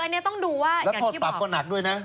และโทษปรับก็หนักด้วยนะ